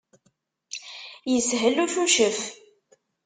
Yeshel ucucef.